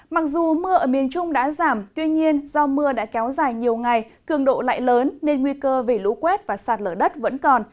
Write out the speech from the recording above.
mặc dù mưa ở miền trung đã giảm tuy nhiên do mưa đã kéo dài nhiều ngày cường độ lại lớn nên nguy cơ về lũ quét và sạt lở đất vẫn còn